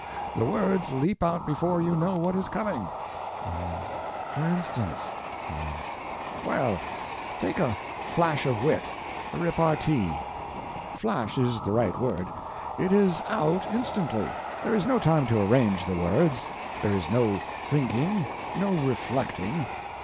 The words leap out before you know what is coming. Y.M. For instance? O.M. Well, take a "flash of wit"—repartee. Flash is the right word. It is out instantly. There is no time to arrange the words. There is no thinking, no reflecting.